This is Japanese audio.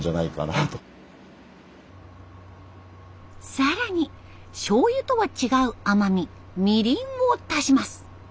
更にしょうゆとは違う甘みみりんを足します。